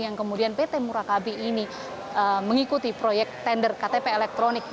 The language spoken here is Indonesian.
yang kemudian pt murakabi ini mengikuti proyek tender ktp elektronik